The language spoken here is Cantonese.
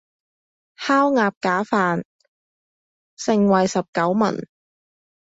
烤鴨架飯，盛惠十九文